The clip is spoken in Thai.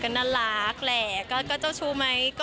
ก็น่ารักแหละ